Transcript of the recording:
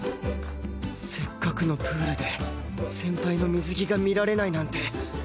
せっかくのプールで先輩の水着が見られないなんて